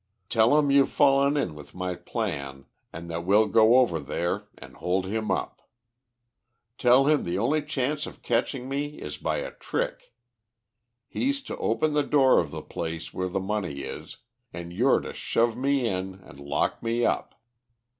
Tell him you've fallen in with my plans, and that we'll go over there and hold him up. Tell him the only chance of catching me is by a trick. He's to open the door of the place where the money is, and you're to shove me in and lock me up.